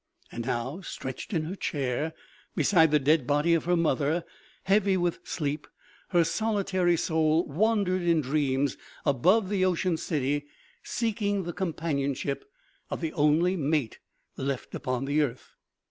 And now, stretched in her chair beside the dead body of her mother, heavy with sleep, her solitary soul wandered in dreams above the ocean city, seeking the companionship of the only mate left upon the earth.